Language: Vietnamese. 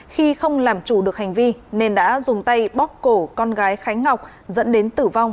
khi không làm chủ được hành vi nên đã dùng tay bóc cổ con gái khánh ngọc dẫn đến tử vong